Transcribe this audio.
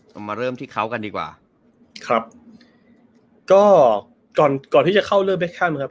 เอามาเริ่มที่เขากันดีกว่าครับก็ก่อนก่อนที่จะเข้าเริ่มเคชั่นนะครับ